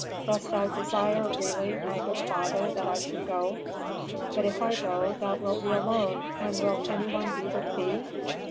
Dost thou desire really, my good father, that I should go? But if I go thou wilt be alone, and will any one be with thee?"